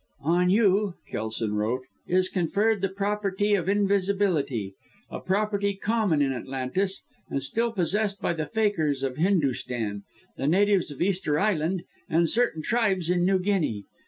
"On you," Kelson wrote, "is conferred the property of invisibility a property common in Atlantis, and still possessed by the Fakirs of Hindoostan, the natives of Easter Island and certain tribes in New Guinea.